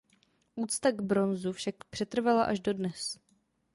Úcta k bronzu však přetrvala až dodnes.